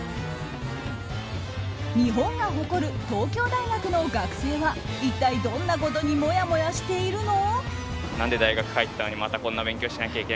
日本が誇る東京大学の学生は一体どんなことにもやもやしているの？